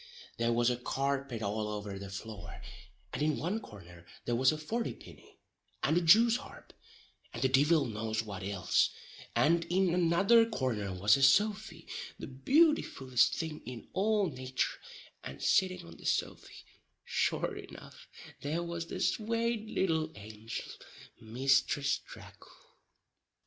There was a carpet all over the floor, and in one corner there was a forty pinny and a Jew's harp and the divil knows what ilse, and in another corner was a sofy, the beautifullest thing in all natur, and sitting on the sofy, sure enough, there was the swate little angel, Misthress Tracle.